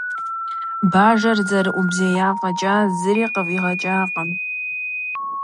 Бажэр зэӀурыбзея фӀэкӀа, зыри къыфӀигъэкӀакъым.